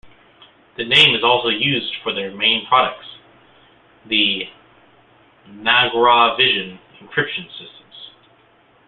The name is also used for their main products, the Nagravision encryption systems.